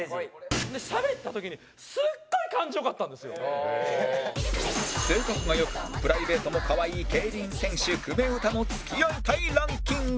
しゃべった時に性格が良くプライベートも可愛い競輪選手久米詩の付き合いたいランキングは